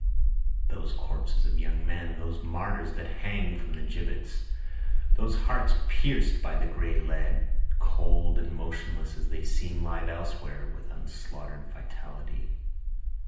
Those corpses of young men, Those martyrs that hang from the gibbets, those hearts pierc'd by the gray lead, Cold and motionless as they seem live elsewhere with unslaughter'd vitality.